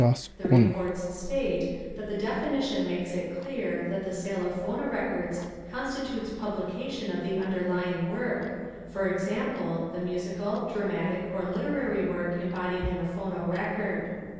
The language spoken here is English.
The reports state that the definition makes it clear that the sale of phonorecords constitutes publication of the underlying work, for example, the musical, dramatic, or literary work embodied in a phonorecord.